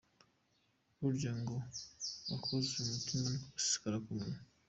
Burya ngo akuzuye umutima niko gasesekara ku munwa.